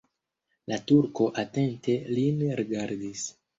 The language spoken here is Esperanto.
La turko atente lin rigardis.